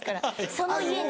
その家に。